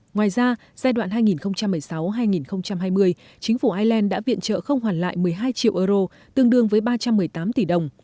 ngoài ra giai đoạn hai nghìn một mươi sáu hai nghìn hai mươi chính phủ ireland đã viện trợ không hoàn lại một mươi hai triệu euro tương đương với ba trăm một mươi tám tỷ đồng